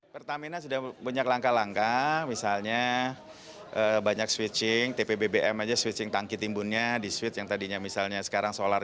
pertamina sudah banyak langkah langkah misalnya banyak switching tp bbm aja switching tangki timbunnya di switch yang tadinya misalnya sekarang solar